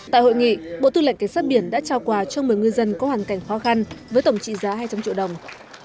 tại hội nghị bộ tư lệnh cảnh sát biển đã trao quà cho một mươi ngư dân có hoàn cảnh khó khăn với tổng trị giá hai trăm linh triệu đồng